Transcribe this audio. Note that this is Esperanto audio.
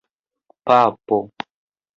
papo